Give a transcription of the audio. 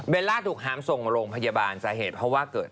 ล่าถูกหามส่งโรงพยาบาลสาเหตุเพราะว่าเกิด